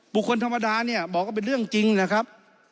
คนธรรมดาเนี่ยบอกว่าเป็นเรื่องจริงนะครับ